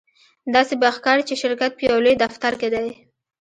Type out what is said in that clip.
داسې به ښکاري چې شرکت په یو لوی دفتر کې دی